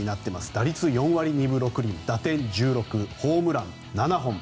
打率４割２分６厘打点１６、ホームラン７本。